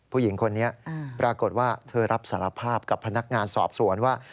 ผู้หญิงคนนี้ปรากฏว่าเธอรับสารภาพกับพนักงานสอบสวนว่า